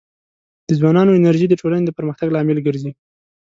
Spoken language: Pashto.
د ځوانانو انرژي د ټولنې د پرمختګ لامل ګرځي.